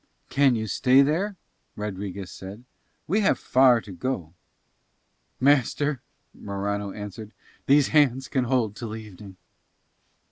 "Can you stay there?" Rodriguez said. "We have far to go." "Master," Morano answered, "these hands can hold till evening."